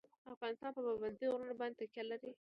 افغانستان په پابندی غرونه باندې تکیه لري.